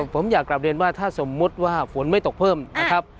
ผมอยากกลับเรียนว่าถ้าสมมุติว่าฝนไม่ตกเพิ่มนะครับ